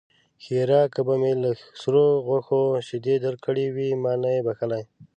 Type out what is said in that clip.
ښېرا: که به مې له سرو غوښو شيدې درکړې وي؛ ما نه يې بښلی.